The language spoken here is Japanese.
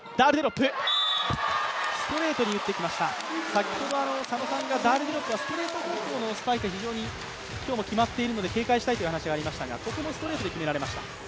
先ほど佐野さんがダールデロップはストレート方向のスパイクが非常に今日も決まっているので警戒したいという話もありましたがここもストレートで決められました。